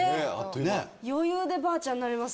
余裕でばあちゃんなれます。